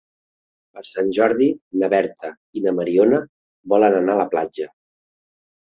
Per Sant Jordi na Berta i na Mariona volen anar a la platja.